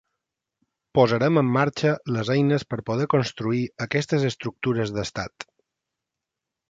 Posarem en marxa les eines per poder construir aquestes estructures d’estat.